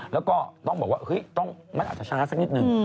แล้วก็ต้องบอกว่ามันอาจจะช้าสักนิดนึง